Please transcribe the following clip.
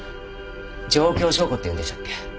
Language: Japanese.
状況証拠っていうんでしたっけ。